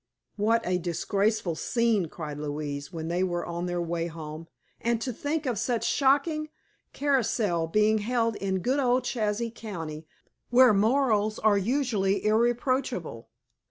"What a disgraceful scene!" cried Louise, when they were on their way home; "and to think of such a shocking carousal being held in good old Chazy County, where morals are usually irreproachable!